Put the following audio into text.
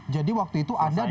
jadi waktu itu anda